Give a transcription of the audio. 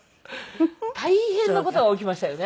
大変な事が起きましたよね